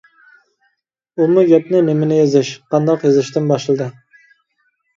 ئۇمۇ گەپنى نېمىنى يېزىش، قانداق يېزىشتىن باشلىدى.